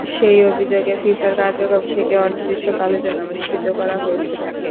সেই অভিযোগে ফিফার কার্যক্রম থেকে অনির্দিষ্টকালের জন্য নিষিদ্ধ করা হয়েছে তাঁকে।